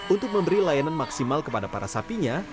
untuk memberi layanan maksimal kepada para sapinya